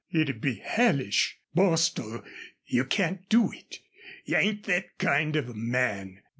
"It'd be hellish! ... Bostil, you can't do it. You ain't thet kind of a man....